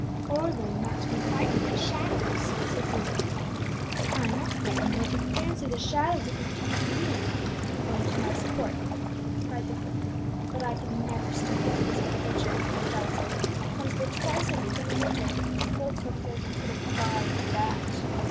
"Or learn not to be frightened at shadows," said Susan. "I'm not frightened; don't you fancy that shadows keep me from going to Myst Court," cried the cook. "But I could never stand a place where the butcher as John says comes but twice a week in the winter; no cook could abide that."